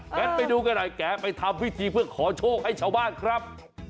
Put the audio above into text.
งั้นไปดูกันหน่อยแกไปทำพิธีเพื่อขอโชคให้ชาวบ้านครับ